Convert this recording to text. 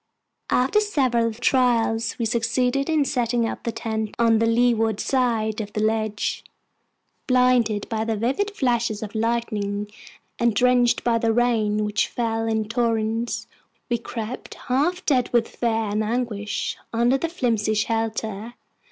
After several trials, we succeeded in setting up the tent on the leeward side of the ledge. Blinded by the vivid flashes of lightning, and drenched by the rain, which fell in torrents, we crept, half dead with fear and anguish, under our flimsy shelter.